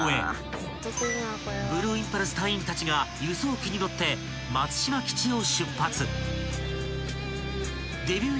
［ブルーインパルス隊員たちが輸送機に乗って松島基地を出発］